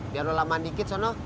biar lo lama dikit sono